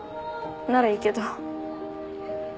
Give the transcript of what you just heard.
ならいいけど。